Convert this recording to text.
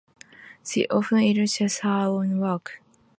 She often illustrates her own work.